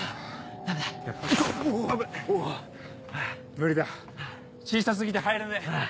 無理だ小さ過ぎて入れねえ。